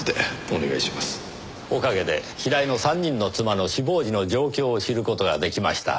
おかげで平井の３人の妻の死亡時の状況を知る事が出来ました。